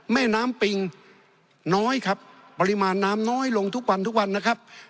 แม่น้ำปิงน้อยครับปริมาณน้ำน้อยลงทุกวันทุกวันนะครับ